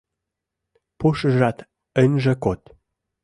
Пушыжат ынже код.